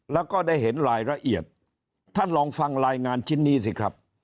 แล้วก็ได้เห็นรายละเอียดท่านลองฟังรายงานชิ้นนี้สิครับ